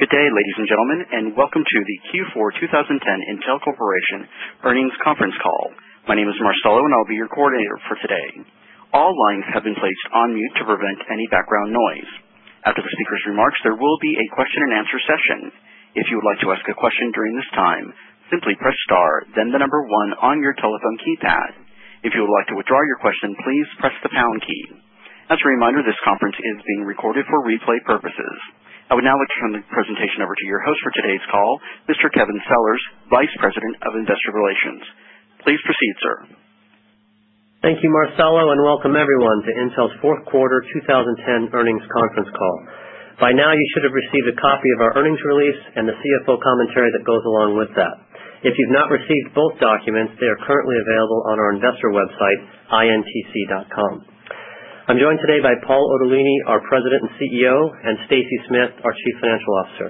Good day, ladies and gentlemen, and welcome to the Q4 2010 Intel Corporation Earnings Conference Call. Name is Marcelo, and I'll be your coordinator for today. All lines have been placed on mute to prevent any background noise. After the speakers' remarks, there will be a question and answer session. As a reminder, this conference is being recorded for replay purposes. I would now like to turn the presentation over to your host for today's call, Mr. Kevin Sellars, Vice President of Investor Relations. Please proceed, sir. Thank you, Marcelo, and welcome everyone to Intel's 4th quarter By now, you should have received a copy of our earnings release and the CFO commentary that goes along with that. If you've not received both documents, they are currently available on our investor website, intc.com. I'm joined today by Paul Otellini, our President and CEO and Stacy Smith, our Chief Financial Officer.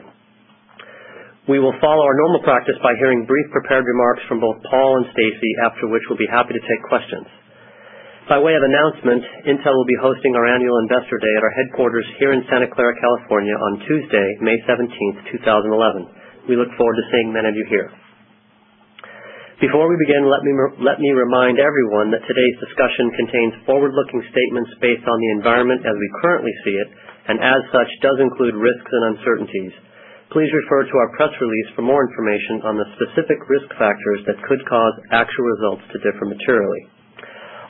We will follow our normal practice by hearing brief prepared remarks from both Paul and Stacy, after which we'll be happy to take questions. By way of announcement, Intel will be hosting our annual Investor Day at our headquarters here in Santa Clara, California on Tuesday, May 17, 2011. We look forward to seeing many of you here. Before we begin, let me remind everyone that today's discussion contains forward looking statements based on the environment as we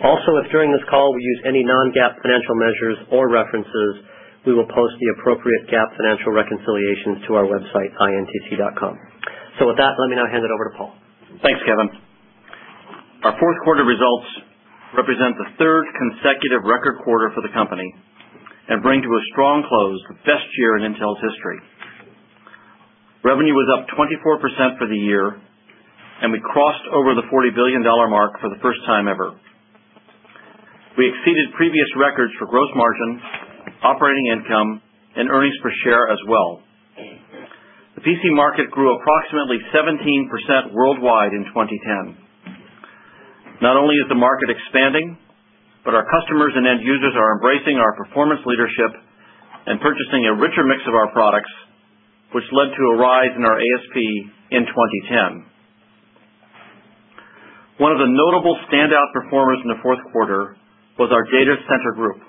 Also, if during this call we use any non GAAP financial measures or references, we will post the appropriate GAAP financial reconciliations to our website intc.com. So with that, let me now hand it over to Paul. Thanks, Kevin. Our 4th quarter results represents the 3rd consecutive record quarter for the company and bring to a strong close the best year in Intel's history. Revenue was up 24% for the year and we crossed over the $40,000,000,000 mark for the first time ever. We exceeded previous records for gross margin, operating income and earnings per share as well. The PC market grew approximately 17% worldwide in 2010. Not only is the market expanding, but our customers and end users are embracing our performance leadership and purchasing a richer mix of our products, which led to a rise in our ASP in 2010. One of the notable standout performers in the 4th quarter was our data center group.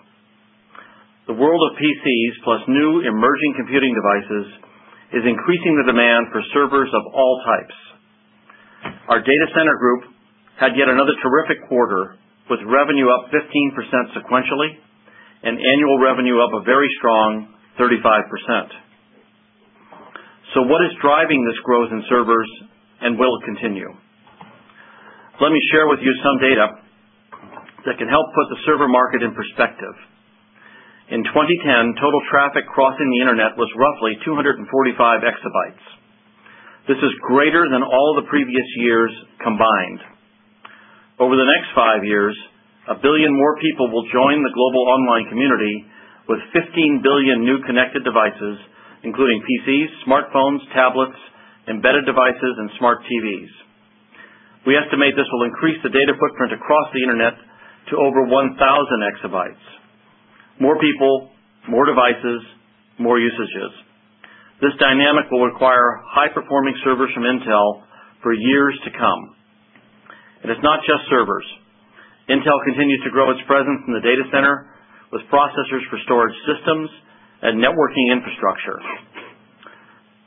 The world of PCs plus new emerging computing devices is increasing the demand for servers of all types. Our data center group had yet another terrific quarter with revenue up 15% sequentially and annual revenue up a very strong 35%. So what is driving this growth in servers and will it continue? Let me share with you some data that can help put the server market in perspective. In 2010, total traffic Crossing the Internet was roughly 2.45 exabytes. This is greater than all the previous years combined. Over the next 5 years, a 1000000000 more people will join the global online community with 15,000,000,000 new connected devices, including PCs, smartphones, tablets, embedded devices and smart TVs. We estimate this will increase the data footprint across the Internet to over 1,000 exabytes. More people, more devices, more usages. This dynamic will require high Performing servers from Intel for years to come. And it's not just servers. Intel continues to grow its presence in the data center with processors for storage systems and networking infrastructure.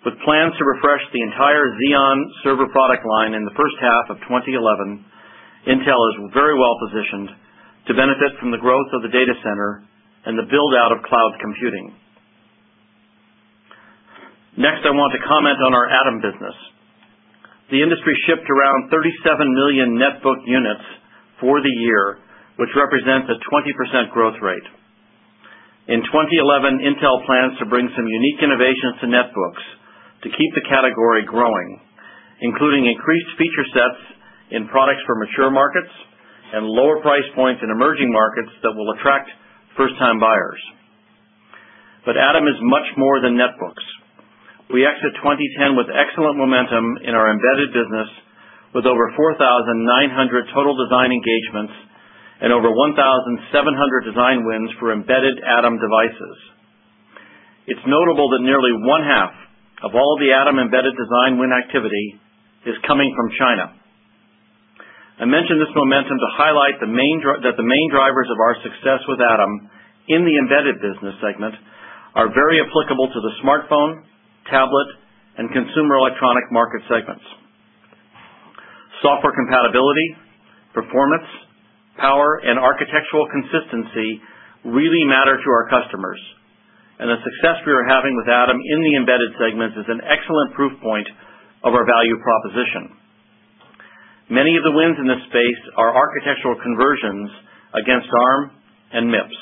With plans to refresh the entire Xeon server product line in the first half of twenty eleven, Intel is very well positioned to benefit from the growth of the data center and the build out of cloud computing. Next, I want to comment on our Adam business. The industry shipped around 37,000,000 net book units for the year, which represents a 20% growth rate. In 2011, Intel plans to bring some unique innovations to netbooks to keep the category growing, including increased feature sets in products for mature markets and lower price points in emerging markets that will attract first time buyers. But Adam is much more than netbooks. We exit 2010 with excellent momentum in our embedded business with over 4,900 total design engagements and over 1700 design wins for embedded Adam devices. It's notable that nearly one half of all the Adam embedded design win activity is coming from China. I mentioned this momentum to highlight the main that the main drivers of our success with Adam in the Embedded Business segment are very applicable to the smartphone, Power and architectural consistency really matter to our customers, and the success we are having with Adam in the Embedded segment is an excellent proof point of our value proposition. Many of the wins in this space are architectural conversions against ARM and MIPS.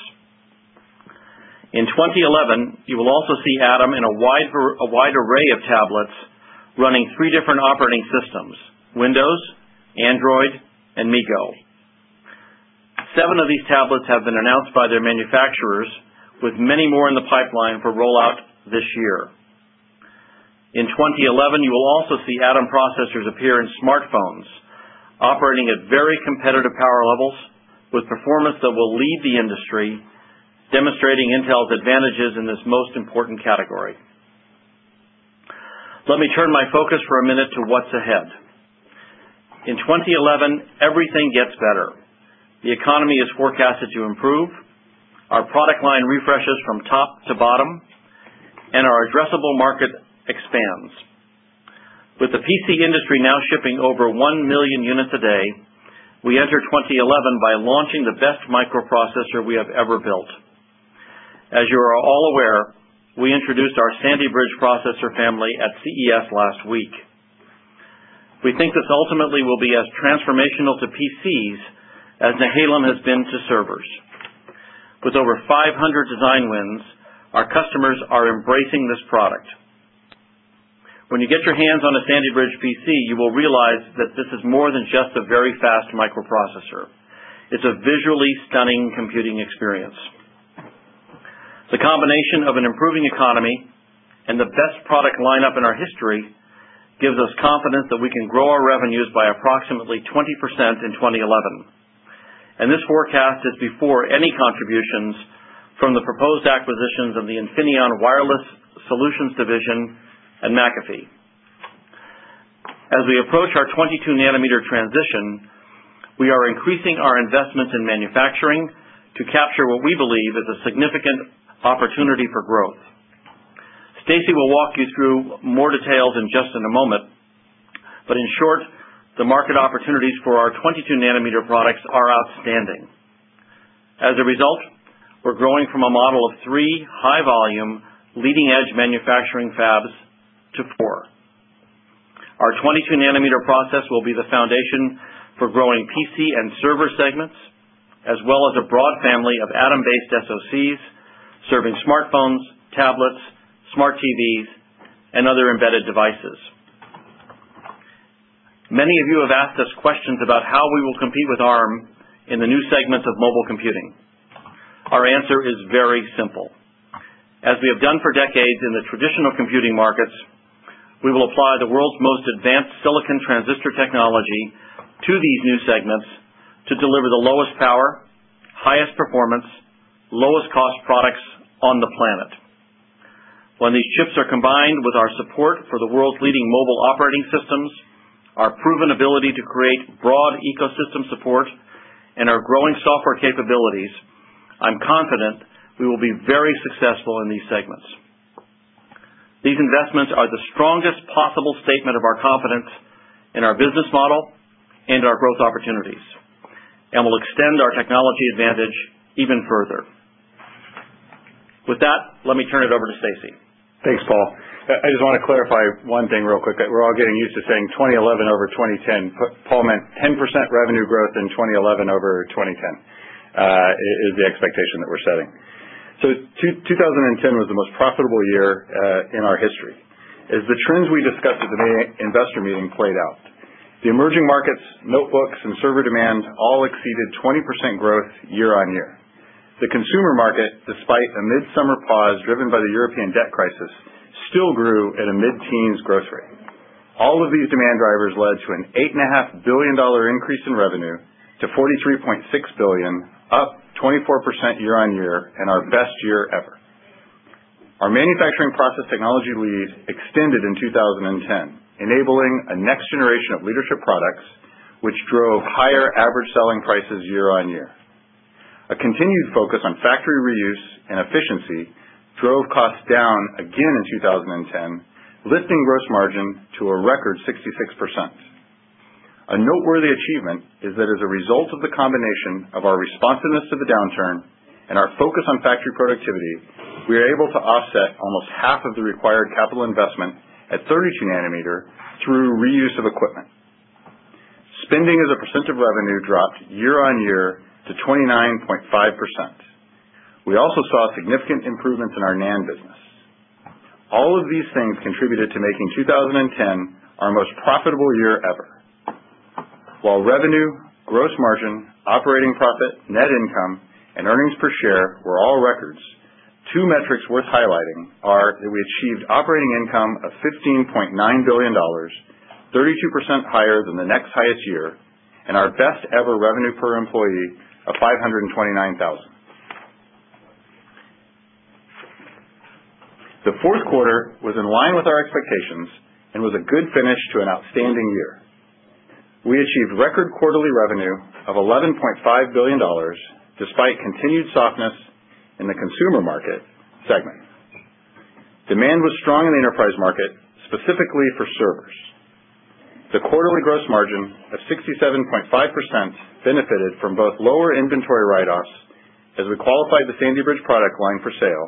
In 2011, you will also see Adam in a wide array of tablets running 3 different operating systems: Windows, Android and MeGo. 7 of these tablets have been announced by their manufacturers with many more in the pipeline for rollout this year. In 2011, you will also see Atom Processors appear in smartphones, operating at very competitive power levels with performance that will lead the industry, demonstrating Intel's advantages in this most important category. Let me turn my focus for a minute to what's ahead. In 2011, everything gets better. The economy is forecasted to improve, our product line refreshes from top to bottom and our addressable market expands. With the PC industry now shipping over 1,000,000 units a day, we entered 2011 by launching the best microprocessor we have ever built. As you are all aware, we introduced our Sandy Bridge Processor family at CES last week. We think this ultimately will be as transformational to PCs as Nihalem has been to servers. With over 500 design wins, Our customers are embracing this product. When you get your hands on a Sandy Bridge PC, you will realize that this is more than just a very fast microprocessor. It's a visually stunning computing experience. The combination of an improving economy and the best product lineup in our history gives us confidence that we can grow our revenues by approximately 20% in 2011. And this forecast is before any contributions from the proposed acquisitions of the Infineon Wireless Solutions Division and McAfee. As we approach our 22 nanometer transition, we are increasing our investments in manufacturing to capture what we believe is a significant Opportunity for Growth. Stacy will walk you through more details in just in a moment. But in short, The market opportunities for our 22 nanometer products are outstanding. As a result, we're growing from a model of 3 high volume Leading Edge Manufacturing Fabs to 4. Our 22 nanometer process will be the foundation for growing PC and server segments as well as a broad family of atom based SoCs serving smartphones, tablets, smart TVs and other embedded devices. Many of you have asked us questions about how we will compete with ARM in the new segments of mobile computing. Our answer is very simple. As we have done for decades in the traditional computing markets, we will apply the world's most advanced When these chips are combined with our support for the world's leading mobile operating systems, our proven ability to create broad ecosystem support and our growing software capabilities, I'm confident we will be very successful in these segments. These investments are the strongest possible statement of our confidence in our business model and our growth opportunities and will extend our technology advantage even further. With that, let me turn it over to Stacy. Thanks, Paul. I just want to clarify one thing real quick. We're all getting used to saying 2011 over 2010, but Paul meant 10% revenue growth in 2011 over 2010 is the expectation that we're setting. So, 2010 was the most profitable year in our history. As the trends we discussed at the Investor Meeting played out, the emerging markets, notebooks and server demand all exceeded 20% growth year on year. The consumer market despite a mid summer pause driven by the European debt crisis still grew at a mid teens growth rate. All of these demand drivers led to an $8,500,000,000 increase in revenue to $43,600,000,000 up 24% year on year and our best year ever. Our manufacturing process technology lead extended in 2010, enabling a next generation of leadership products, which drove higher average selling prices year on year. A continued focus on factory reuse and efficiency drove costs down again in 2010, lifting gross margin to a record 66%. A noteworthy achievement is that as a result of the combination of our responsiveness to the downturn and our focus on factory productivity, We are able to offset almost half of the required capital investment at 32 nanometer through reuse of equipment. Spending as a percent of revenue dropped year on year to 29.5%. We also saw significant improvements in our NAND business. All of these things contributed to making 2010 our most profitable year ever. While revenue, gross margin, Operating profit, net income and earnings per share were all records. Two metrics worth highlighting are that we achieved operating income of $15,900,000,000 32 percent higher than the next highest year and our best ever revenue per employee of 529,000 The Q4 was in line with our expectations and was a good finish to an outstanding year. We achieved record quarterly revenue of $11,500,000,000 despite continued softness in the consumer market segment. Demand was strong in the enterprise market, specifically for servers. The quarterly gross margin of 67.5% benefited from both lower inventory write offs as we qualified the Sandy Bridge product line for sale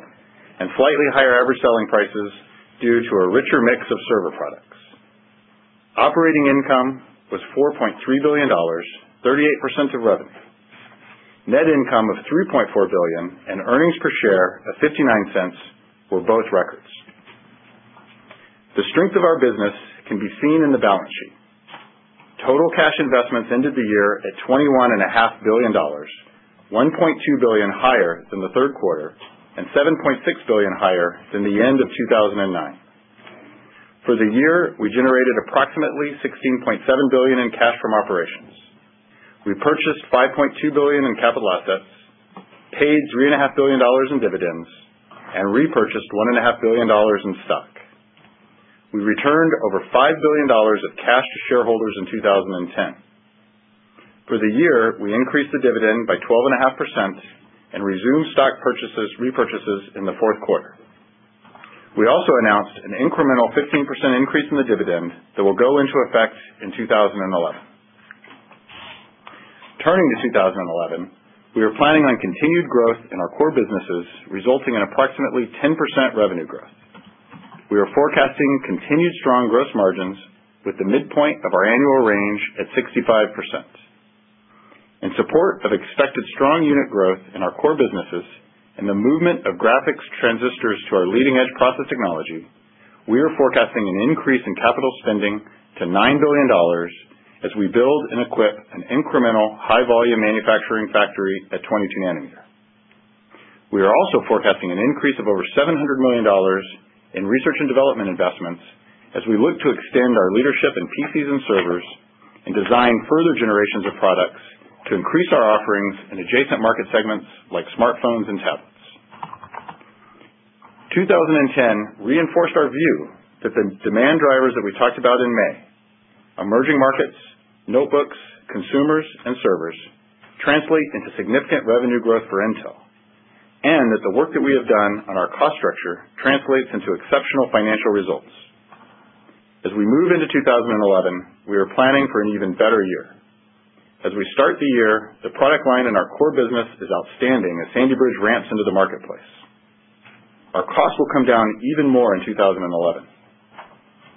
and slightly higher average selling prices due to a richer mix of server products. Operating income was $4,300,000,000 38 percent of revenue. Net income of $3,400,000,000 and earnings per share of $0.59 were both records. The strength of our business can be seen in the balance sheet. Total cash investments ended the year at $21,500,000,000 $1,200,000,000 higher than the 3rd quarter and $7,600,000,000 higher than the end of 2,009. For the year, we generated approximately $16,700,000,000 in cash from operations. We purchased $5,200,000,000 in capital assets, paid $3,500,000,000 in dividends and repurchased $1,500,000,000 in stock. We returned over $5,000,000,000 of cash to shareholders in 2010. For the year, we increased the dividend by 12.5% and resumed stock repurchases in the 4th quarter. We also announced an incremental 15% increase in the dividend that will go into effect in 2011. Turning to 2011, we are planning on continued growth in our core businesses, resulting in approximately 10% revenue growth. We are forecasting continued strong gross margins with the midpoint of our annual range at 65%. In support of expected strong unit growth in our core businesses and the movement of graphics transistors to our leading edge process technology, We are forecasting an increase in capital spending to $9,000,000,000 as we build and equip an incremental high volume manufacturing factory at 22 nanometer. We are also forecasting an increase of over $700,000,000 in research and development investments as we look to extend our leadership in PCs and servers and design further generations of products to increase our offerings in adjacent market segments like smartphones and tablets. 2010 reinforced our view that the demand drivers that we talked about in May, emerging markets, notebooks, Consumers and servers translate into significant revenue growth for Intel and that the work that we have done on our cost structure translates into exceptional financial results. As we move into 2011, we are planning for an even better year. As we start the year, the product line in our core business is outstanding as Sandy Bridge ramps into the marketplace. Our costs will come down even more in 2011.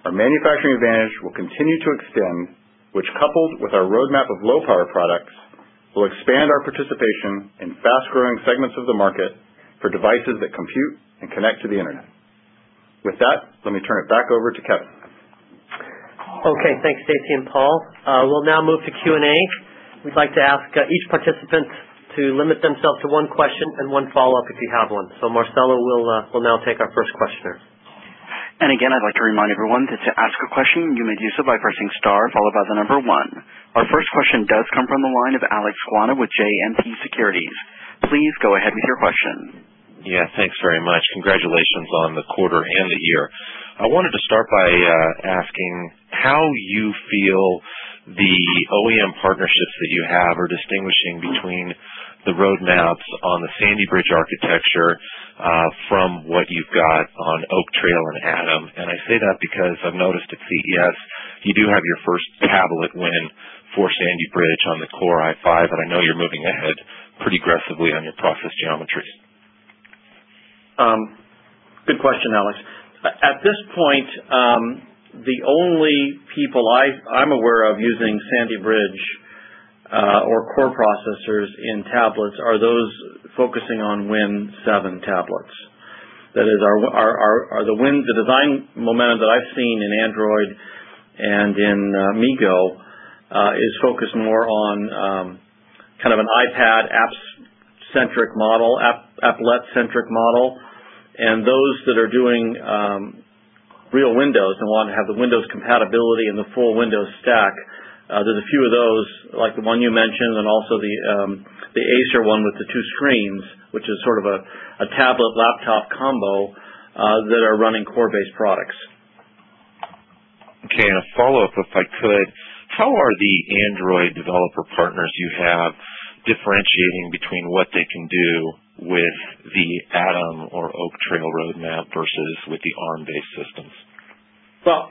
Our manufacturing advantage will continue to extend, which coupled with our roadmap of low power products will expand our participation in fast growing segments of the market for devices that compute and connect to the Internet. With that, let me turn it back over to Kevin. Okay. Thanks, Stacy and Paul. We'll now move to Q and A. We'd like to ask each participant to limit themselves to one question and one follow-up if you have one. So Marcelo, we'll now take our first questioner. Our first question does come from the line of Alex Guana with JMP Securities. Please go ahead with your question. Yes. Thanks very much. Congratulations on the quarter and the year. I wanted to start by asking how you feel the OEM partnerships that you have are distinguishing between The roadmaps on the Sandy Bridge architecture from what you've got on Oak Trail and Adam. And I say that because I've noticed at CES, You do have your first tablet win for Sandy Bridge on the Core i5, and I know you're moving ahead pretty aggressively on your process geometries. Good question, Alex. At this point, the only people I'm aware of using Sandy Bridge or core processors in tablets are those focusing on Win 7 tablets. That is, are the wins the design momentum that I've And Android and in MIGO is focused more on kind of an iPad app centric model, Applet centric model and those that are doing real windows and want to have the windows compatibility and the full windows stack, There's a few of those, like the one you mentioned and also the Acer one with the 2 screens, which is sort of a tablet, laptop combo that are running core based products. Okay. And a follow-up, if I could. How are the Android developer partners you have Differentiating between what they can do with the ATOM or Oak Trail roadmap versus with the ARM based systems? Well,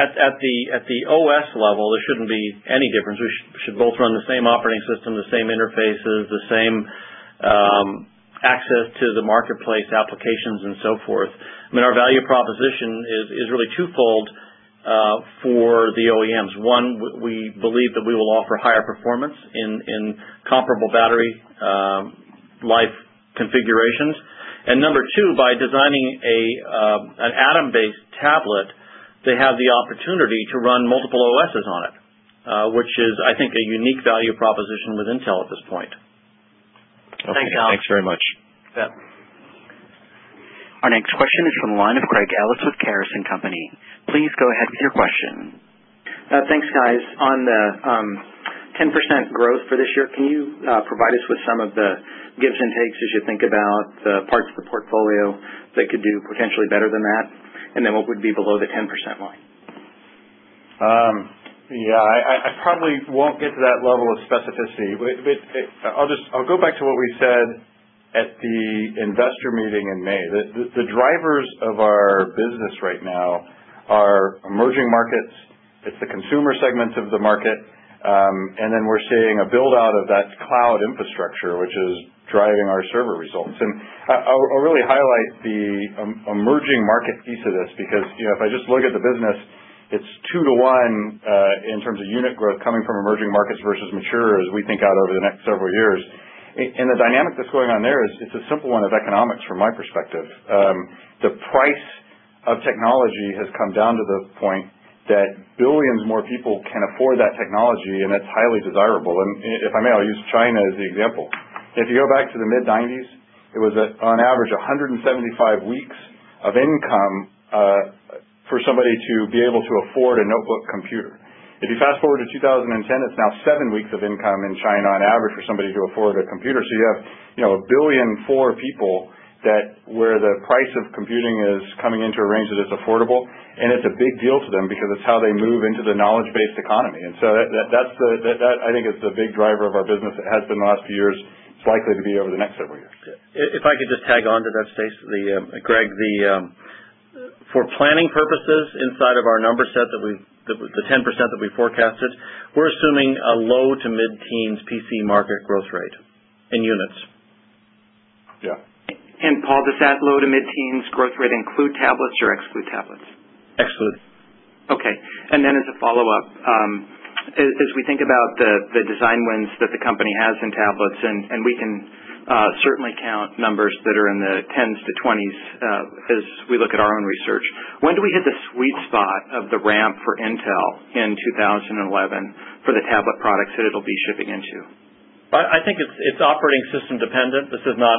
at the OS level, there shouldn't be any difference. We should both run the same operating system, the same interfaces, the same access to the marketplace applications and so forth. I mean, our value proposition is really twofold for the OEMs. 1, we believe that we will offer higher performance in comparable battery life configurations And number 2, by designing an Atom based tablet, they have the opportunity to run multiple OSs on it, Which is I think a unique value proposition with Intel at this point. Our next question is from the line of Craig Ellis with Karas and Company. Please go ahead with your question. Thanks, guys. On the 10% growth for this year. Can you provide us with some of the gives and takes as you think about parts of the portfolio that could do potentially better than that? And then what would be below the 10% line? Yes, I probably won't get to that level of specificity. I'll just I'll go back to what we said at the Investor Meeting in May. The drivers of our business right now are emerging markets, It's the consumer segments of the market and then we're seeing a build out of that cloud infrastructure, which is driving our server results. And I'll really highlight the emerging market piece of this because if I just look at the business, it's 2:one in The unit growth coming from emerging markets versus mature as we think out over the next several years. And the dynamic that's going on there is, it's a simple one of economics from my perspective. The price of technology has come down to the point that billions more people can afford that technology and that's Highly desirable and if I may, I'll use China as the example. If you go back to the mid-90s, it was on average 175 weeks of income For somebody to be able to afford a notebook computer. If you fast forward to 2010, it's now 7 weeks of income in China on average for somebody to afford a computer. So you have 1,400,000,000 people that where the price of computing is coming into a range that is affordable and it's a big deal to them because it's how they move into the knowledge based economy. So that's the that I think is the big driver of our business. It has been in the last few years. It's likely to be over the next several years. If I could just tag on to that, Stacy, Greg, For planning purposes, inside of our number set that we the 10% that we forecasted, we're assuming a lowtomidteens PC market growth rate In units. Yes. And Paul, does that low to mid teens growth rate include tablets or exclude tablets? Excellent. Okay. And then as a follow-up, as we think about the design wins that the company has in tablets, and we can Certainly count numbers that are in the 10s to 20s as we look at our own research. When do we hit the sweet spot of the ramp for Intel in 2011 for the tablet products that it will be shipping into? I think it's operating system dependent. This is not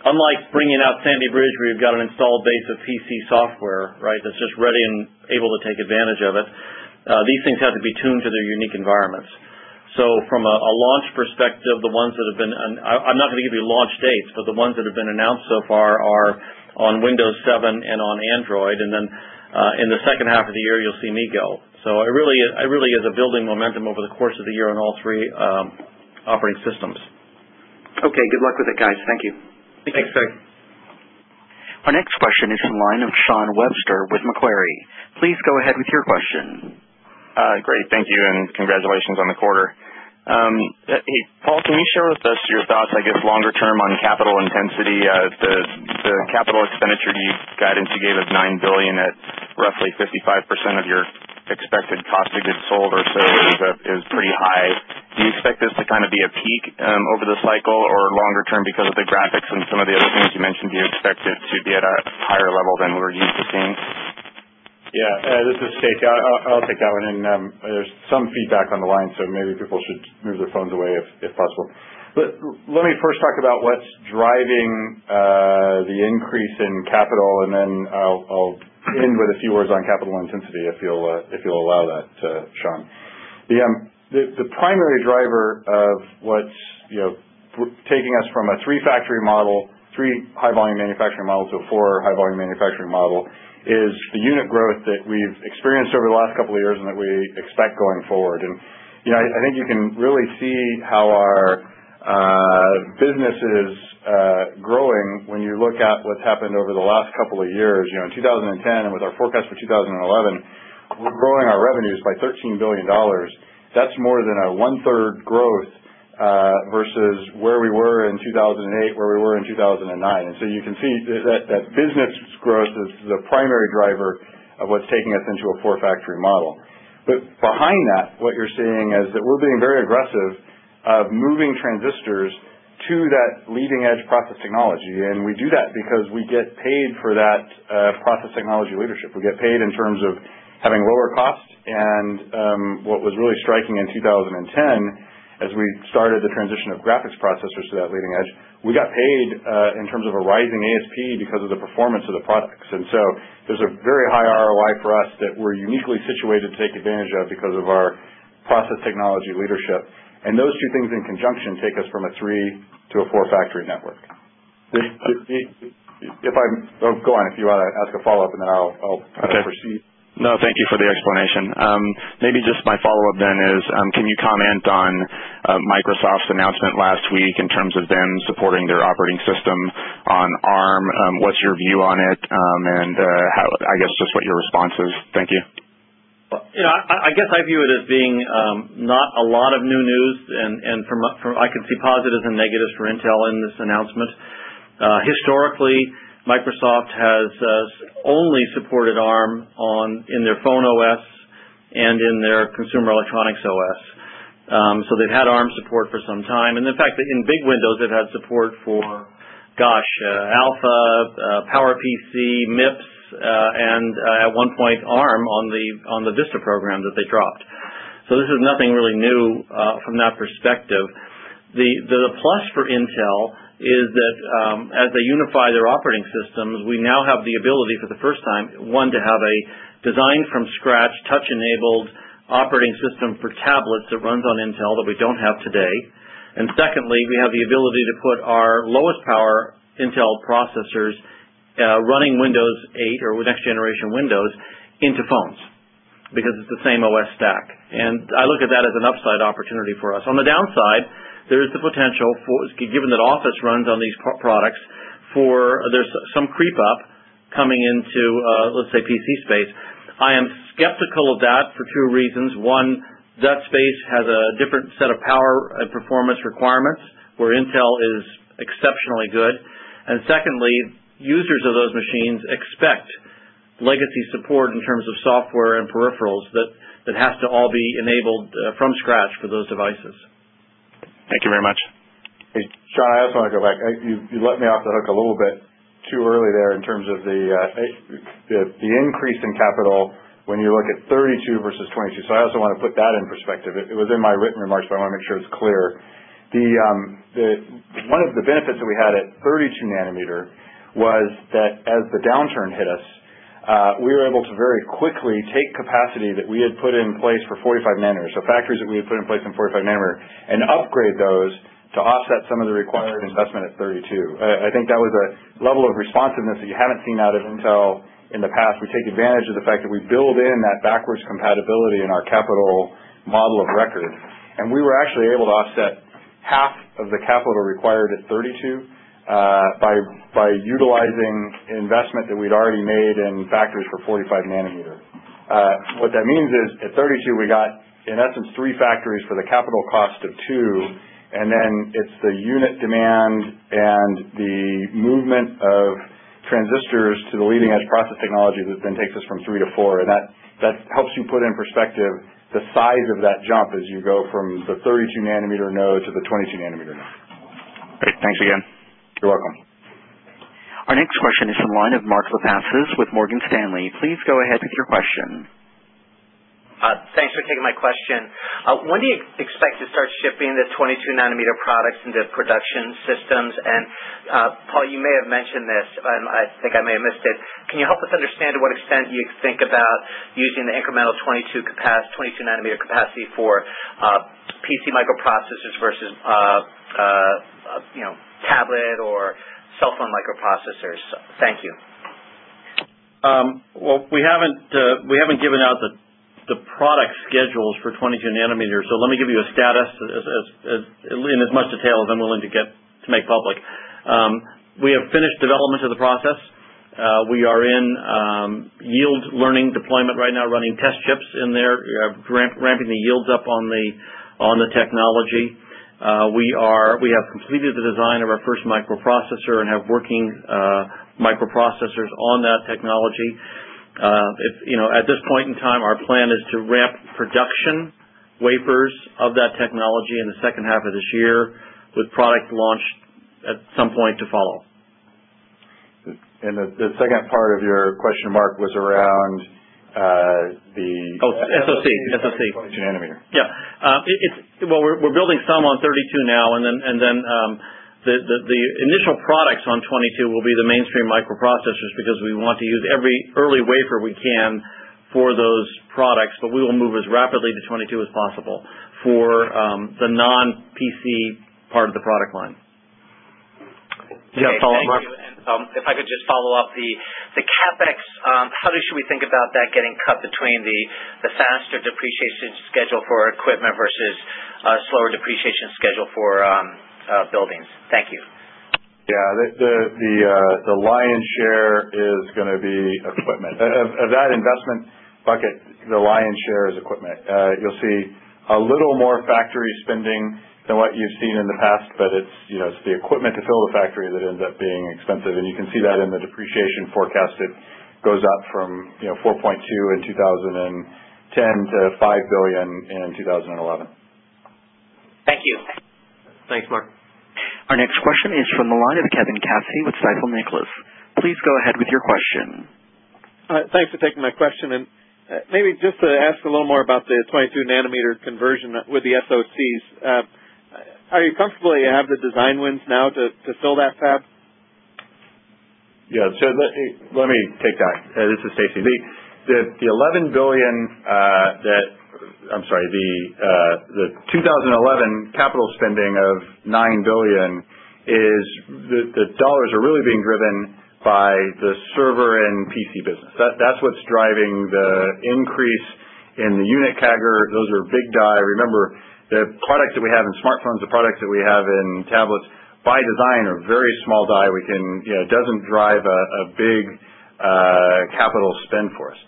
Unlike bringing out Sandy Bridge, we've got an installed base of PC software, right, that's just ready and able to take advantage of it. These things have to be tuned to their unique environments. So from a launch perspective, the ones that have been I'm not going to give you launch dates, but the ones that have been announced so far are on Windows 7 and on Android. And then In the second half of the year, you'll see me go. So it really is a building momentum over the course of the year on all three operating systems. Okay. Good luck with it, guys. Thank you. Thanks, Craig. Our next question is from the line of Sean Webster with Macquarie. Please go ahead with your question. Great. Thank you and congratulations on the quarter. Paul, can you share with us your thoughts, I guess longer term on capital intensity, the capital expenditure guidance you gave us $9,000,000,000 at roughly 55% of your Expected cost of goods sold or so is pretty high. Do you expect this to kind of be a peak over the cycle or longer term because of the graphics and some You mentioned you expect it to be at a higher level than what we're used to seeing? Yes. This is Stacy. I'll take that one. And there's Some feedback on the line, so maybe people should move their phones away if possible. But let me first talk about what's driving The increase in capital and then I'll end with a few words on capital intensity, if you'll allow The primary driver of what's taking us from a 3 factory model, 3 high volume manufacturing models or 4 high volume manufacturing model is the unit growth that we've experienced over the last couple of years and that we expect going forward. And I think you can really see how our business is growing when you look at What's happened over the last couple of years, in 2010 and with our forecast for 2011, we're growing our revenues by $13,000,000,000 That's more than a onethree growth versus where we were in 2008, where we were in 2009. And so you can see that business growth is the primary driver of what's taking us into a fore factory model. But behind that what you're seeing is that we're being very aggressive moving transistors to that leading edge process technology. And we do that because we get paid for that process technology leadership. We get paid in terms of Having lower cost and what was really striking in 2010 as we started the transition of graphics processors to that leading edge, We got paid in terms of a rising ASP because of the performance of the products. And so there's a very high ROI for us that we're uniquely situated to take advantage of because of our Process Technology Leadership and those two things in conjunction take us from a 3 to a 4 factory network. If I go on, if you want to ask a follow-up and then I'll proceed. No, thank you for the explanation. Maybe just my follow-up then is, can you comment on Chrisoff's announcement last week in terms of them supporting their operating system on ARM, what's your view on it? And I guess just what your response is? Thank you. I guess I view it as being not a lot of new news and from I can see positives and negatives for Intel in this announcement. Historically, Microsoft has only supported ARM on in their phone OS and in their consumer electronics OS. So they've had ARM support for some time. And in fact, in Big Windows, they've had support for, gosh, Alpha, PowerPC, MIPS and at one point ARM on the Vista program that they dropped. So this is nothing really new from that perspective. The plus for Intel is that as they unify their operating systems, we now have the ability for the first time, one, to have a Designed from scratch, touch enabled operating system for tablets that runs on Intel that we don't have today. And secondly, we have the ability to put our lowest power Intel processors running Windows 8 or next generation Windows into phones because it's the same OS stack. And I look at that as an upside opportunity for us. On the downside, there is the potential for given that Office runs on these products for there's some creep up Coming into, let's say, PC space, I am skeptical of that for two reasons. One, that space has a different set of power and performance requirements where Intel is exceptionally good. And secondly, users of those machines expect legacy support in terms of software and peripherals that has to all be enabled from scratch for those devices. Thank you very much. Hey, Sean, I just want to go back. You let me off the hook a little bit Too early there in terms of the increase in capital when you look at 32 versus 22. So I also want to put that in perspective. It was in my written remarks, but I want to make Clear. The one of the benefits that we had at 32 nanometer was that as the downturn hit us, We were able to very quickly take capacity that we had put in place for 45 nanometer, so factories that we had put in place in 45 nanometer and upgrade those to offset some of the required investment at 32. I think that was a level of responsiveness that you haven't seen out of Intel in the past. We take advantage of the fact that we build in that backwards compatibility in our capital model of record and we were actually able to offset half of the capital required at 32 by utilizing investment that we'd already made in factories for 45 nanometer. What that means is at 32 we got In essence, 3 factories for the capital cost of 2 and then it's the unit demand and the movement of Transistors to the leading edge process technology that then takes us from 3 to 4 and that helps you put in perspective the size of that jump as We go from the 32 nanometer node to the 22 nanometer node. Our next question is from the line of Mark Lipacis with Morgan And Paul, you may have mentioned this, I think I may have missed it. Can you help us understand to what extent you think about using the incremental 22 nanometer capacity for PC microprocessors versus tablet or Well, we haven't given out the Product schedules for 22 nanometer. So let me give you a status in as much detail as I'm willing to get to make public. We have finished development of the process. We are in yield learning deployment right now, running Chips in there ramping the yields up on the technology. We are we have completed the design of our first microprocessor and have working Microprocessors on that technology, at this point in time, our plan is to ramp production Wafers of that technology in the second half of this year with product launch at some point to follow. And the second part of your question, Mark, was around the SoC. SoC. 20 nanometer. Yes. Well, we're building some on 32 now and then the initial products on 22 will be the mainstream Processors because we want to use every early wafer we can for those products, but we will move as rapidly to 'twenty two as possible For the non PC part of the product line. If I could just follow-up The CapEx, how should we think about that getting cut between the faster depreciation schedule for equipment versus slower depreciation schedule for Yes. The lion's share is going to be equipment. That investment Bucket, the lion's share is equipment. You'll see a little more factory spending than what you've seen in the past, but it's It's the equipment to fill the factory that ends up being expensive and you can see that in the depreciation forecast. It goes up from 4.2 in 20 $10,000,000,000 to $5,000,000,000 in 2011. Our next question is from the line of Kevin Cassidy with Stifel Nicolaus. Please go ahead with your question. Thanks for taking my question. And maybe just to ask a little more about the 22 nanometer conversion with the SOCs. Are you comfortable you have the design wins now to fill that path? Yes. So let me take that. This is Stacy. The 11,000,000,000 that I'm sorry, the 20 11 capital spending of 9,000,000,000 is the dollars are really being driven by the server and PC business. That's what's driving the increase And the unit CAGR, those are big die. Remember, the products that we have in smartphones, the products that we have in tablets, by design are very Small die, we can doesn't drive a big capital spend for us.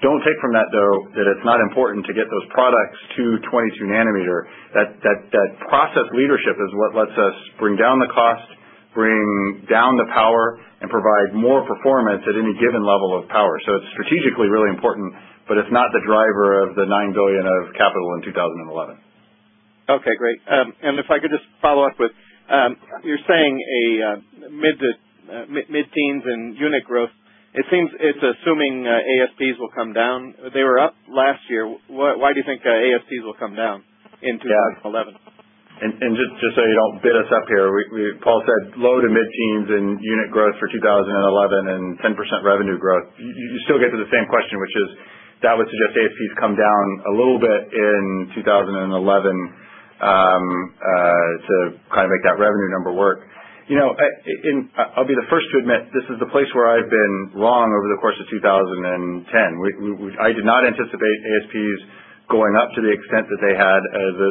Don't take from that though that it's not important to get those products 2 22 nanometer, that process leadership is what lets us bring down the cost, bring down the power And provide more performance at any given level of power. So it's strategically really important, but it's not the driver of the $9,000,000,000 of capital in 2011. Okay, great. And if I could just follow-up with, you're saying a mid teens and unit growth. It seems it's assuming ASPs will come down. They were up last year. Why do you think ASPs will come down in 2011? And just so you don't beat us up here, Paul said low to mid teens in unit growth for 2011 and 10% revenue growth. You still get to the same question, which is That would suggest ASPs come down a little bit in 2011 to kind of make that revenue number work. I'll be the first to admit, this is the place where I've been wrong over the course of 2010. I did not anticipate ASPs Going up to the extent that they had,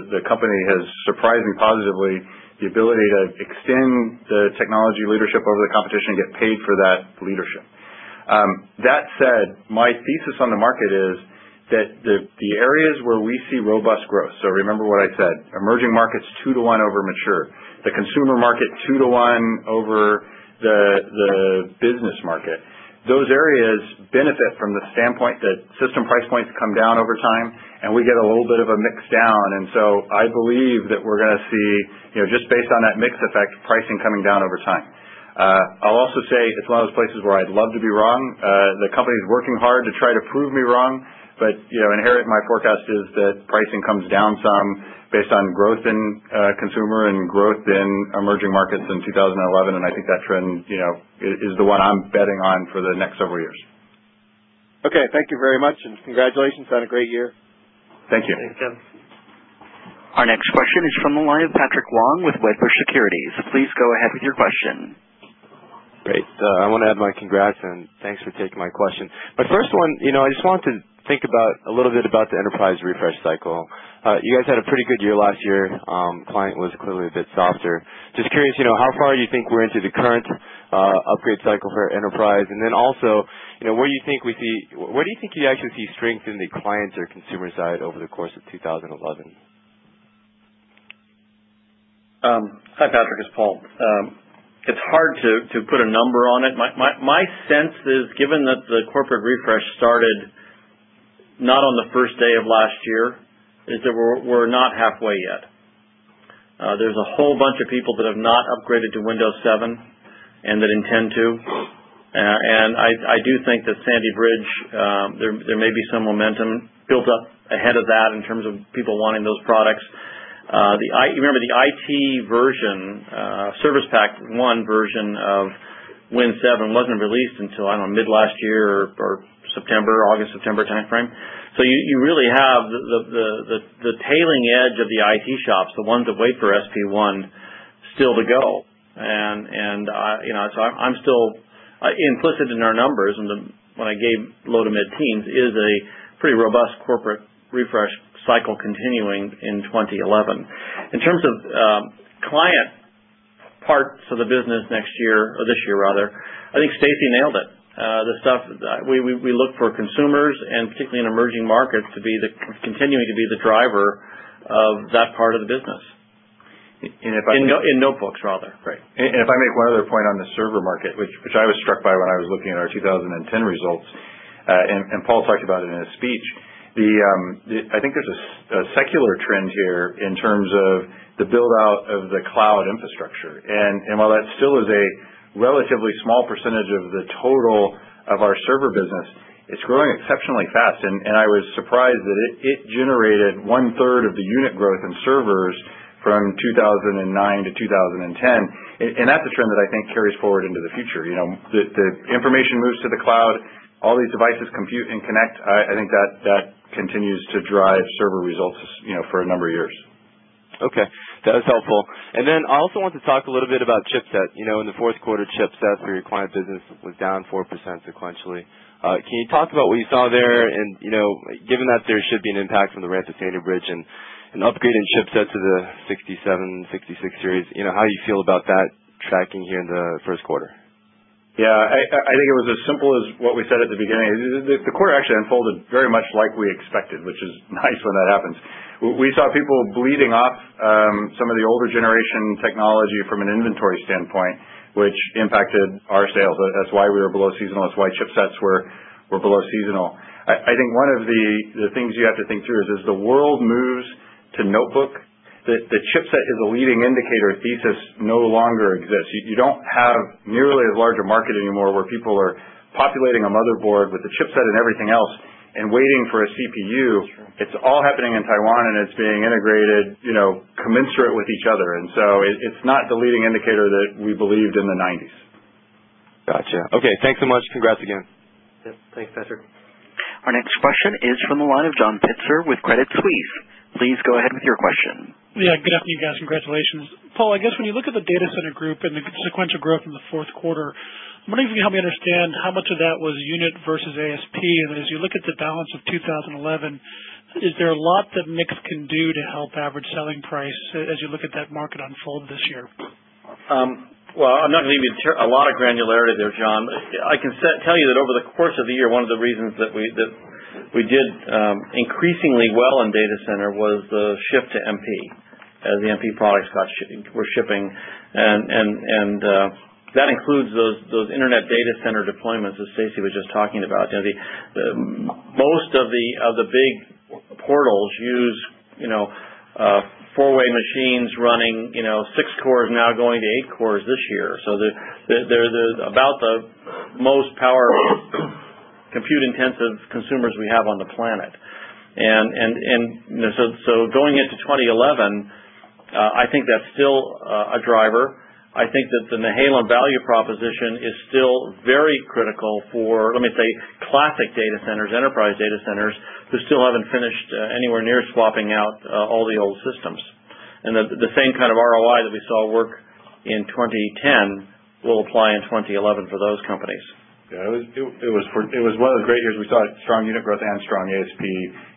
the company has surprised me positively the ability to extend the technology leadership over the competition and get paid for that leadership. That said, my thesis on the market is that the areas where we see robust growth. So remember what I said, emerging markets 2 to 1 over mature, The consumer market 2 to 1 over the business market. Those areas benefit from the standpoint that system price points come down over time We get a little bit of a mix down. And so I believe that we're going to see, just based on that mix effect, pricing coming down over time. I'll also say it's one of those places where I'd love to be wrong. The Company is working hard to try to prove me wrong, but inherent my forecast is that pricing comes down some Based on growth in consumer and growth in emerging markets in 2011, and I think that trend is the one I'm betting on for the next several years. Okay. Thank you very much and congratulations on a great year. Thank you. Thank you. Thank you. Our next question is from the line of Patrick Wong with Wedbush Securities, please go ahead with your question. My first one, I just want to Think about a little bit about the enterprise refresh cycle. You guys had a pretty good year last year, client was clearly a bit softer. Just curious how far you think we're into the current upgrade cycle for enterprise? And then also, where do you think we see where do you think you actually see strength in the clients or Patrick, it's Paul. It's hard to put a number on it. My sense is, given that the corporate refresh started not on the 1st day of last year, We're not halfway yet. There's a whole bunch of people that have not upgraded to Windows 7 and that intend to. And I do think that Sandy Bridge, there may be some momentum built up ahead of that in terms of people wanting those products. Remember, the IT version, Service Pack 1 version of Win 7 wasn't released until, I don't know, mid last year or September August, September timeframe. So you really have the tailing edge of the IT shops, the ones that wait for SP1 still to go. And so I'm still implicit in our numbers and when I gave low to mid teens is a Pretty robust corporate refresh cycle continuing in 2011. In terms of client Parts of the business next year this year rather. I think Stacy nailed it. The stuff we look for consumers and particularly in emerging markets to be the Continuing to be the driver of that part of the business. In notebooks rather. And if I make one other point on the server market, which I was struck by when I was looking at our 2010 results and Paul talked about it in his speech. I think there's a secular trend here in terms of The build out of the cloud infrastructure and while that still is a relatively small percentage of the total of our server business, It's growing exceptionally fast and I was surprised that it generated 1 third of the unit growth in servers from 2,009 to 2010 And that's a trend that I think carries forward into the future. The information moves to the cloud, all these devices compute and connect, I think that continues to drive server results For a number of years. Okay. That's helpful. And then I also want to talk a little bit about chipset. In the Q4, chipset for your client business was down 4% sequentially. Can you talk about what you saw there? And given that there should be an impact from the ramp of SATA bridge and an upgrade in chipset to the 67, 66 How you feel about that tracking here in the Q1? Yes, I think it was as simple as what we said at the beginning. The quarter actually unfolded very much like we We saw people bleeding off some of the older generation technology from an inventory standpoint, Which impacted our sales, that's why we were below seasonal, that's why chipsets were below seasonal. I think one of the things you have to think through is as the world moves To notebook, the chipset is a leading indicator thesis no longer exists. You don't have nearly as large a market anymore where people are Populating a motherboard with the chipset and everything else and waiting for a CPU, it's all happening in Taiwan and it's being integrated Commensurate with each other and so it's not the leading indicator that we believed in the 90s. Our next question is from the line of John Pitzer with Credit Suisse. Please go ahead with your question. Yes. Good afternoon, guys. Congratulations. Paul, I guess when you look at the data center group and the sequential growth in the Q4, I'm wondering if you can help me understand how much of that was unit versus ASP? And then as you look at the balance of 2011, Is there a lot that mix can do to help average selling price as you look at that market unfold this year? Well, I'm not going to give you a lot of granularity there, John. I can tell you that over the course of the year, one of the reasons that we did Increasingly well in data center was the shift to MP as the MP products got shipping were shipping. And That includes those Internet data center deployments that Stacy was just talking about. Most of the big portals use Four way machines running 6 cores now going to 8 cores this year. So they're about the most powerful Compute intensive consumers we have on the planet. And so going into 2011, I think that's still a driver. I think that the Nihalem value proposition is still very critical for, let me say, Classic data centers, enterprise data centers, who still haven't finished anywhere near swapping out all the old systems. And the same kind of ROI that we saw work In 2010, we'll apply in 2011 for those companies. It was one of the great years we saw strong unit growth and strong ASP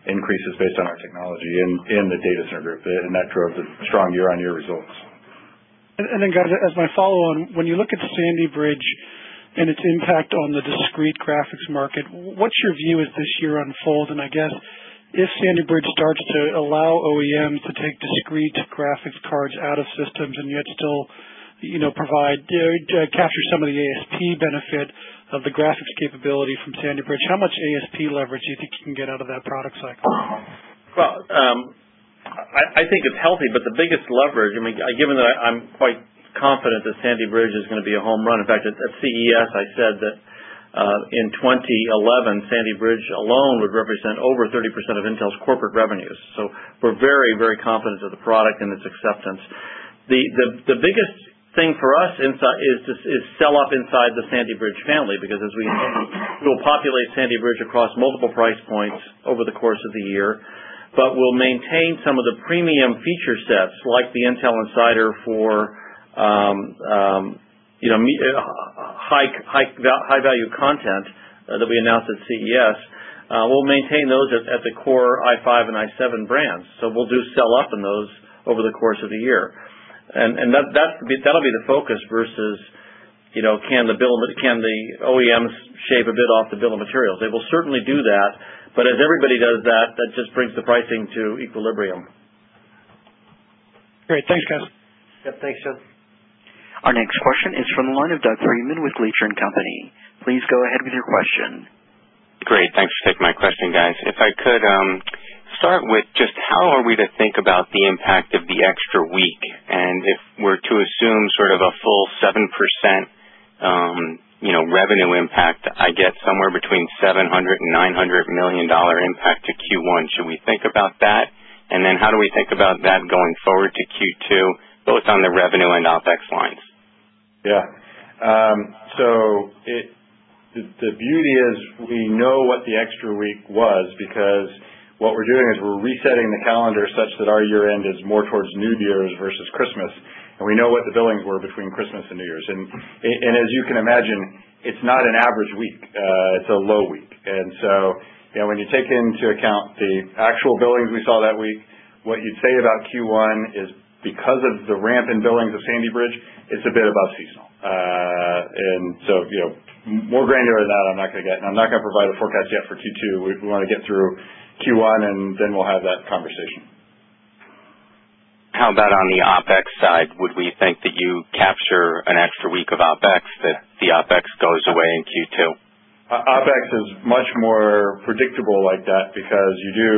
Increases based on our technology in the data center group, and that drove the strong year on year results. And then, guys, as my follow on, when you look at Sandy Bridge And its impact on the discrete graphics market, what's your view as this year unfolds? And I guess if Sandy Bridge starts to allow OEMs to take discrete graphics Cards out of systems and yet still provide capture some of the ASP benefit of the graphics capability from Sandy Bridge. How much ASP leverage you think you can get I think it's healthy, but the biggest leverage, I mean, given that I'm quite Confident that Sandy Bridge is going to be a home run. In fact, at CES, I said that in 2011, Sandy Bridge alone would represent over 30% of Intel's corporate revenues. So we're very, very confident of the product and its acceptance. The biggest thing for us is sell off inside the Sandy Bridge Because as we we will populate Sandy Bridge across multiple price points over the course of the year, but we'll maintain some of the Premium feature sets like the Intel Insider for high value content that we announced at CES. We'll maintain those at the core i5 and i7 brands. So we'll do sell off in those over the course of the year. And that will be the focus versus can the bill of can the OEMs shave a bit off the bill of materials. They will certainly do that. But as everybody does that, that just brings the pricing to equilibrium. Our next question is from the line of Doug Freeman with Leach and Company. Please go ahead with your question. If I could start with Just how are we to think about the impact of the extra week? And if we're to assume sort of a full 7% Revenue impact, I get somewhere between $700,000,000 $900,000,000 impact to Q1. Should we think about that? And then how do we think about that going forward to Q2, to both on the revenue and OpEx lines? Yes. So the beauty is We know what the extra week was because what we're doing is we're resetting the calendar such that our year end is more towards New Year's versus Christmas. We know what the billings were between Christmas and New Year's. And as you can imagine, it's not an average week, it's a low week. And so When you take into account the actual billings we saw that week, what you'd say about Q1 is because of the ramp in billings of Sandy Bridge, it's a bit above seasonal. And so more granular than that, I'm not going to get I'm not going to provide a forecast yet for Q2. We want to get through Q1 and then we'll have that conversation. How about on the OpEx side? Would we think that you capture an extra week of OpEx that the OpEx goes away in Q2? OpEx is much more predictable like that because you do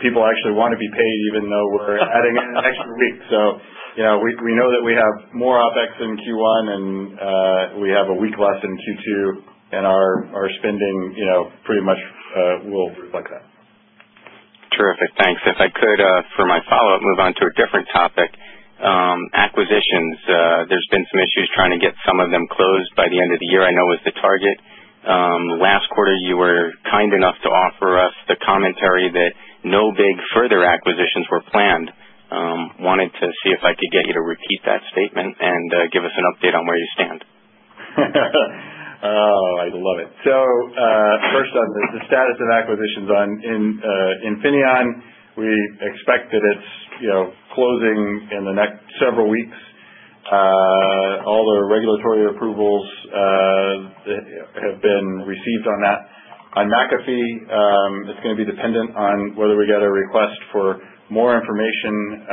people actually want to be paid even though we're adding in an extra week. Yes, we know that we have more OpEx in Q1 and we have a week less in Q2 and our spending pretty much will reflect that. Terrific. Thanks. If I could for my follow-up, move on to a different topic. Acquisitions, there Commentary that no big further acquisitions were planned, wanted to see if I could get you to repeat that statement and give us an update on where you stand. I love it. So first on the status of acquisitions on Infineon, We expect that it's closing in the next several weeks. All the regulatory approvals that Have been received on that. On McAfee, it's going to be dependent on whether we get a request for more information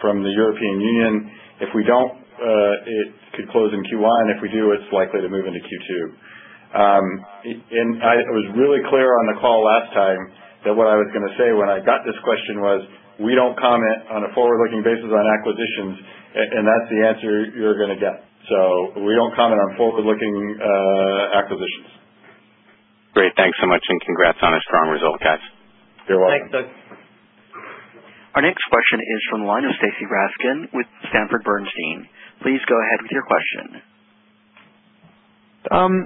From the European Union, if we don't, it could close in Q1 and if we do, it's likely to move into Q2. And I was really clear on the call last time that what I was going to say when I got this question was, we don't comment on a forward looking basis on acquisitions, And that's the answer you're going to get. So we don't comment on forward looking acquisitions. Our next question is from the line of Stacy Rasgon with Stanford Bernstein. Please go ahead with your question.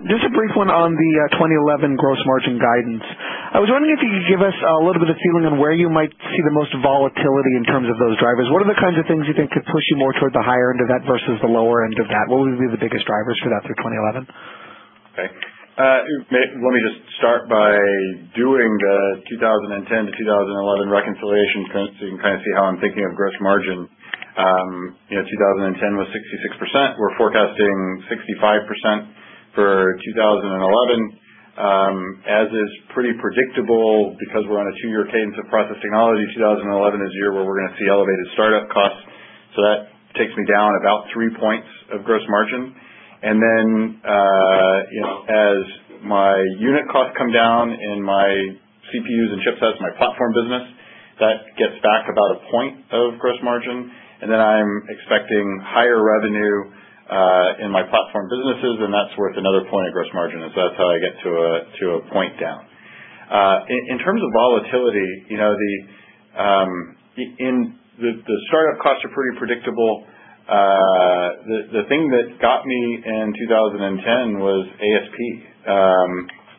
Just a brief one on the 2011 gross margin guidance. I was wondering if you could give us a little bit of feeling on where you might See the most volatility in terms of those drivers. What are the kinds of things you think could push you more toward the higher end of that versus the lower end of that? What will be the biggest drivers for that through 2011? Okay. Let me just start by doing the 2010 to 2011 reconciliation, so you can kind of see how I'm thinking of gross margin. 2010 was 66%. We're forecasting 65% for 2011, As is pretty predictable because we're on a 2 year cadence of process technology, 2011 is the year where we're going to see elevated startup costs. So that takes me down about 3 points of gross margin. And then as my unit costs come down in my CPUs and chipsets, my platform business, that gets back about a point of gross margin. And then I'm expecting higher revenue in my platform businesses and that's worth another point of gross margin. So that's how I get to a point down. In terms of volatility, The startup costs are pretty predictable. The thing that got me in 2010 was ASP.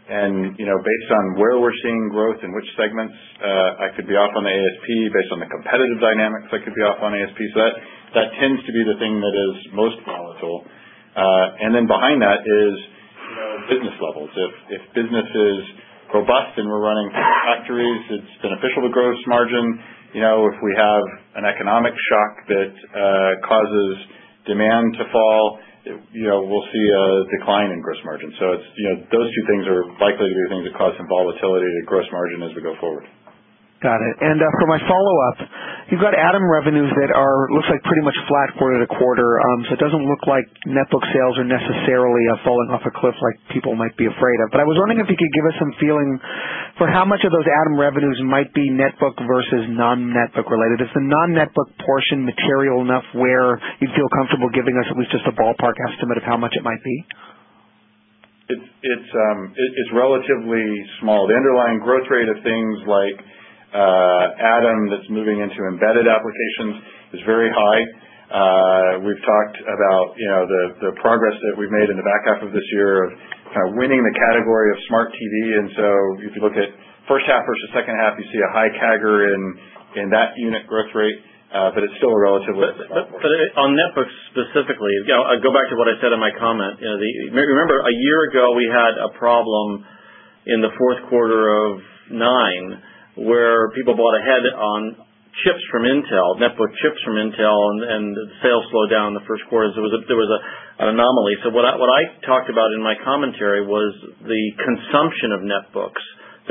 And based on where we're seeing growth in which segments I could be off on ASP, based on the competitive dynamics I could be off on ASP. So That tends to be the thing that is most volatile. And then behind that is business levels. If business is Robust and we're running from factories. It's beneficial to gross margin. If we have an economic shock that causes Demand to fall, we'll see a decline in gross margin. So it's those two things are likely to be things that cause some volatility to gross margin as we go forward. Got it. And for my follow-up, you've got ADAM revenues that are looks like pretty much flat quarter to quarter. So it doesn't look like Netbook sales are necessarily falling off a cliff like people might be afraid of. But I was wondering if you could give us some feeling for how much of those ADAM revenues might be netbook versus non netbook Is the non netbook portion material enough where you feel comfortable giving us at least just a ballpark estimate of how much it might be? It's relatively small. The underlying growth rate of things like Atom that's moving into embedded applications It's very high. We've talked about the progress that we've made in the back half of this year, winning the category of smart TV. And so if you look at First half versus second half, you see a high CAGR in that unit growth rate, but it's still relatively flat. On Netflix Specifically, I'll go back to what I said in my comment. Remember, a year ago, we had a problem in the Q4 of 'nine where people bought ahead on chips from Intel, network chips from Intel and sales slowed down in the Q1. So there was An anomaly. So what I talked about in my commentary was the consumption of net books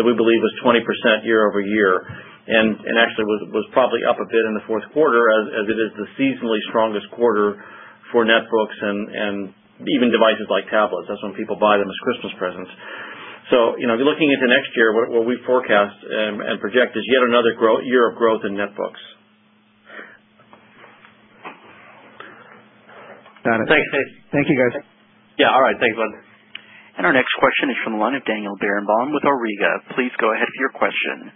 that we believe was 20% year over year And actually, it was probably up a bit in the 4th quarter as it is the seasonally strongest quarter for netbooks and Even devices like tablets, that's when people buy them as Christmas presents. So, if you're looking into next year, what we forecast and project is yet another year of growth in netbooks. And And our next question is from the line of Daniel Berenbaum with Auriga. Please go ahead for your question.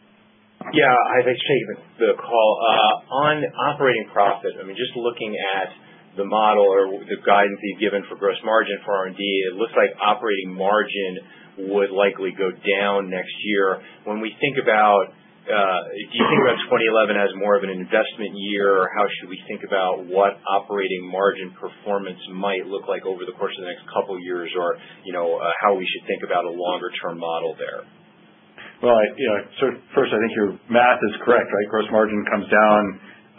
Yes. I'd like to take the call. On operating profit, Just looking at the model or the guidance you've given for gross margin for R and D, it looks like operating margin would likely go down next year. When we think about do you think about 2011 as more of an investment year? Or how should we think about what operating margin performance might look like over the course of the Couple of years or how we should think about a longer term model there? Well, first, I think your math is correct, right? Gross margin comes down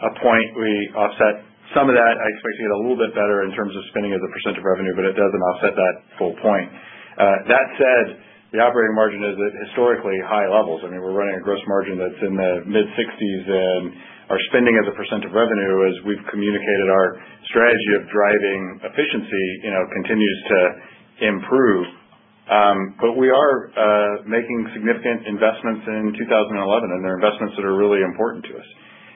A point we offset some of that, I expect to get a little bit better in terms of spending as a percent of revenue, but it doesn't offset that full point. That said, the operating margin is at historically high levels. I mean, we're running a gross margin that's in the mid-60s and Our spending as a percent of revenue as we've communicated our strategy of driving efficiency continues to improve. But we are making significant investments in 2011 and there are investments that are really important to us.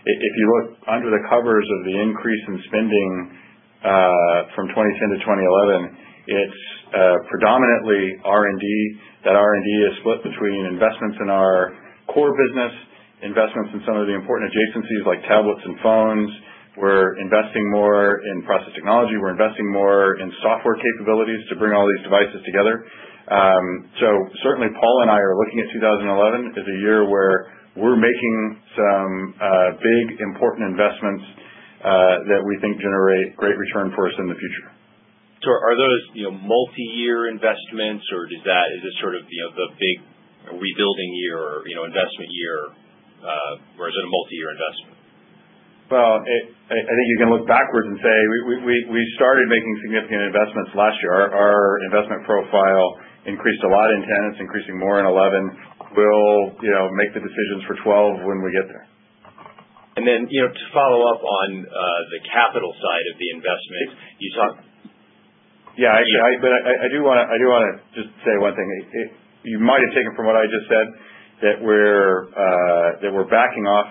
If you look under the covers of the increase in spending from 2010 to 2011, it's predominantly R and D, That R and D is split between investments in our core business, investments in some of the important adjacencies like tablets and phones. We're investing more in process technology. We're investing more in software capabilities to bring all these devices together. So certainly Paul and I are looking at 2011 as a year where we're making some big important investments that we think generate great return for us in the future. So are those multiyear investments or does that is it sort of the big Rebuilding year or investment year or is it a multiyear investment? Well, I think you can look backwards We started making significant investments last year. Our investment profile increased a lot in tenants, increasing more in 'eleven. We'll make the decisions for 12 when we get there. And then to follow-up on the capital side of the investments, you saw? Yes. I do want to just say one thing. You might have taken from what I just said that we're backing off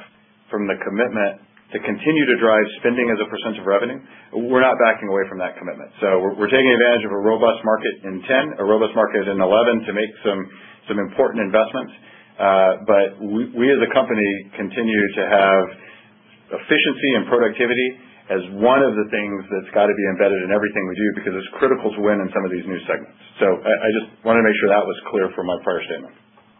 From the commitment to continue to drive spending as a percent of revenue, we're not backing away from that commitment. So we're taking advantage of a robust market in 'ten, a robust market in 'eleven to Some important investments, but we as a company continue to have efficiency and productivity As one of the things that's got to be embedded in everything we do because it's critical to win in some of these new segments. So I just want to make sure that was clear from my prior statement.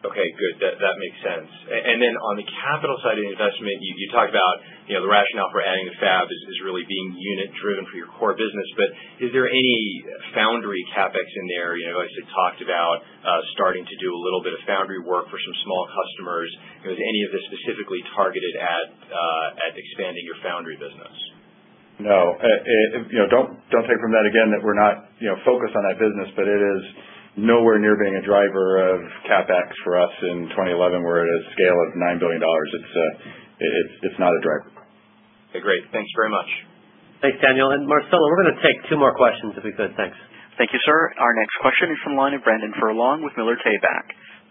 Okay, good. That makes sense. And then on the capital side of the investment, you talked about the rationale for adding the fab is really being unit driven for your core business. But Is there any foundry CapEx in there? You obviously talked about starting to do a little bit of foundry work for some small customers. Is any of this specifically targeted At expanding your foundry business? No. Don't take from that again that we're not focused on that business, but it is Nowhere near being a driver of CapEx for us in 2011. We're at a scale of $9,000,000,000 It's not a driver. Great. Thanks very much. Thanks, Daniel. And Marcella, we're going to take 2 more questions if we could. Thanks. Thank you, sir. Our next question is from the line of Brandon Furlong with Miller Tabak.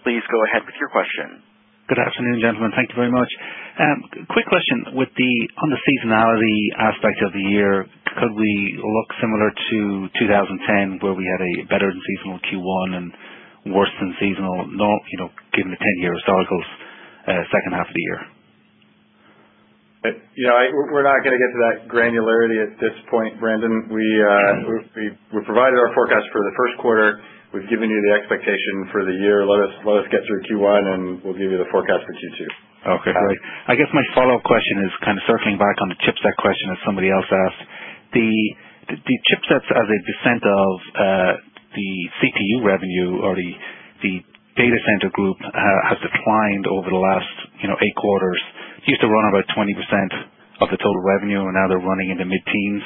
Please go ahead with your question. Good afternoon, gentlemen. Thank you very much. A quick question with the on the seasonality aspect of the year, Could we look similar to 2010 where we had a better than seasonal Q1 and worse than seasonal not given the 10 year historical second half of the year? We're not going to get to that granularity at this Brandon, we provided our forecast for the Q1. We've given you the expectation for the year. Let us get through Q1 and we'll give you the forecast for Q2. Okay, great. I guess my follow-up question is kind of circling back on the chipset question that somebody else asked. The chipsets as a percent of The CPU revenue or the data center group has declined over the last 8 quarters, Used to run about 20% of the total revenue and now they're running in the mid teens.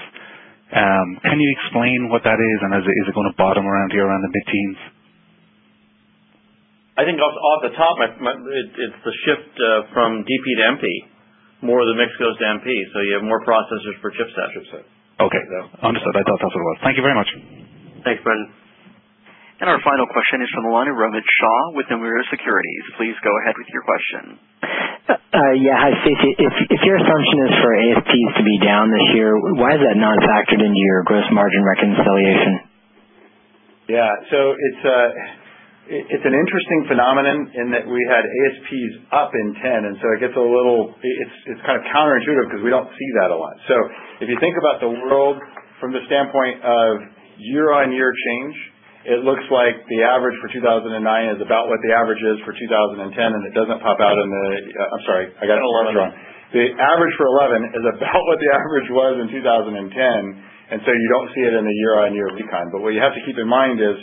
Can you explain what that is? And is it going to bottom around here around the mid teens? I think off the top, it's the shift from DP to MP, more of the mix goes to MP. So you have more processors for chipsets, I should say. And our final question is from the line of Ramesh Shah with Nomura Securities. Please go ahead with your question. Yes. Hi, Stacy. If your assumption is for ASPs to be down this year, why is that not factored into your gross margin reconciliation? Yes. So it's an interesting phenomenon in that we had ASPs up in 10. And so it gets a little it's It's kind of counterintuitive because we don't see that a lot. So if you think about the world from the standpoint of year on year change, It looks like the average for 2,009 is about what the average is for 2010 and it doesn't pop out in the I'm sorry, I got an electron. The average for 11 is about what the average was in 2010, and so you don't see it in the year on year decline. But what you have to keep in mind is,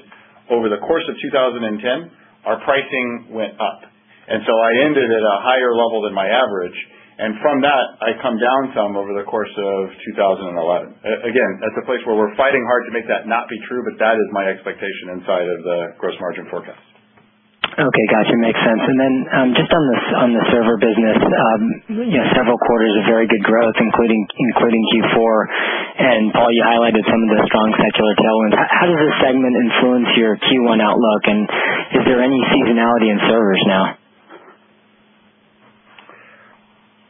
Over the course of 2010, our pricing went up. And so I ended at a higher level than my average. And from that, I come down some over The course of 2011. Again, that's a place where we're fighting hard to make that not be true, but that is my expectation inside of the gross margin forecast. Okay, got you. Makes sense. And then just on the server business, several quarters of very good growth, including Q4. And Paul, you highlighted some of the strong secular tailwinds. How does this segment influence your Q1 outlook? And is there any seasonality in servers now?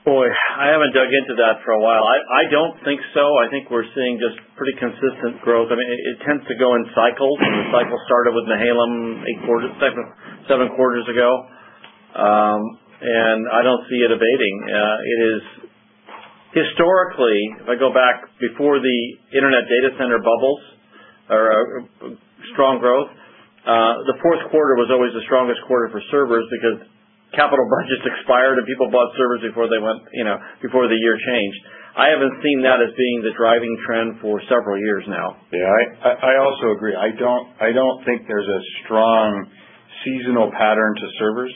Boy, I haven't dug into that for a while. I don't think so. I think we're seeing just pretty consistent growth. I mean, it tends to go in Cycle started with Nihalem 8 quarters 7 quarters ago. And I don't see it abating. It is Historically, if I go back before the Internet data center bubbles, strong growth, The Q4 was always the strongest quarter for servers because capital budgets expired and people bought servers before they went before the year changed. I haven't seen that as being the driving trend for several years now. Yes, I also agree. I don't think there's a strong Seasonal pattern to servers,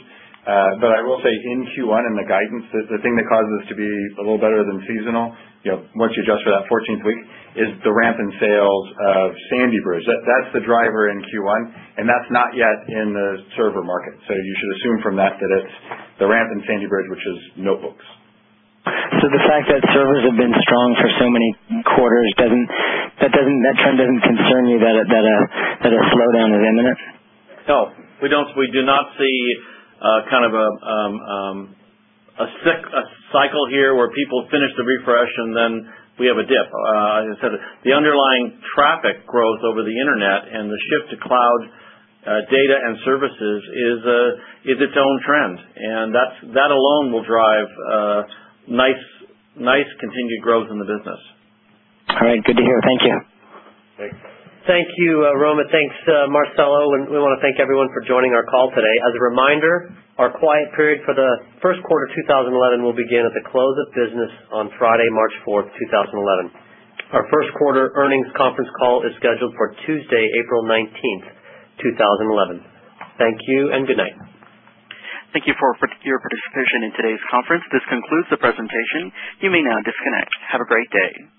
but I will say in Q1 in the guidance, the thing that causes us to be a little better than seasonal, once you adjust for that 14th week Is the ramp in sales of Sandy Bridge. That's the driver in Q1 and that's not yet in the server market. So you should assume from that that it's The ramp in Sandy Bridge, which is notebooks. So the fact that servers have been strong for so many quarters doesn't that trend doesn't concern you That is slowdown in a minute? No. We don't we do not see kind of a Cycle here where people finish the refresh and then we have a dip. The underlying traffic growth over the Internet and the shift to cloud Data and services is its own trend, and that alone will drive nice continued growth in the business. All right. Good to hear. Thank you. Thank you, Roma. Thanks, Marcelo. And we want to thank everyone for joining our call today. As a reminder, Our quiet period for the Q1 2011 will begin at the close of business on Friday, March 4, 2011. Our Q1 earnings conference call is scheduled Tuesday, April 19, 2011. Thank you and good night. Thank you for your participation in today's conference. This concludes the presentation. You may now disconnect. Have a great day.